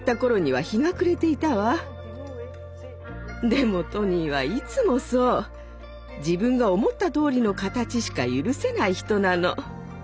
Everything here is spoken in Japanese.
でもトニーはいつもそう。自分が思ったとおりの形しか許せない人なの。